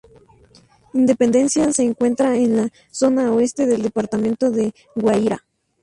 Independencia se encuentra en la zona oeste del departamento de Guairá.